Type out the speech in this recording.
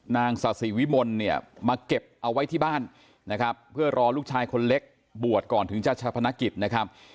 นางศาสิวิมลเนี่ยมาเก็บเอาไว้ที่บ้านนะครับเพื่อรอลูกชายคนเล็กบวชก่อนถึงจะชาพนักกิจนะครับ